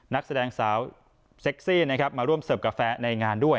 นักแสดงสาวเซ็กซี่นะครับมาร่วมเสิร์ฟกาแฟในงานด้วย